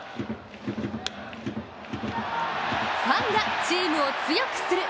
ファンがチームを強くする！